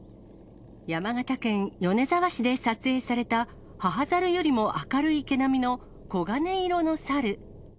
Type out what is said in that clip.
山形県米沢市で撮影された、母猿よりも明るい毛並みの、黄金色の猿。